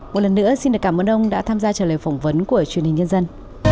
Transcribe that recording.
một lần nữa xin cảm ơn ông đã tham gia trả lời phỏng vấn của truyền hình nhân dân